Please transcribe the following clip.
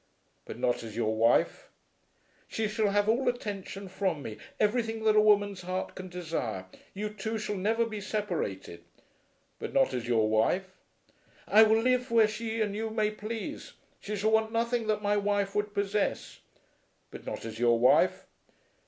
"But not as your wife?" "She shall have all attention from me, everything that a woman's heart can desire. You two shall be never separated." "But not as your wife?" "I will live where she and you may please. She shall want nothing that my wife would possess." "But not as your wife?"